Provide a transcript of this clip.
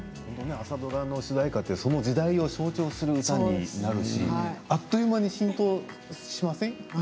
朝ドラの主題歌ってその時代を象徴する歌になるしあっという間に浸透しません？